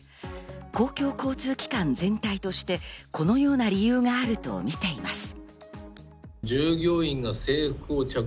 公共交通機関全体としてこのような理由があるとみています。